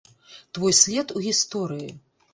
Твой след у гісторыі!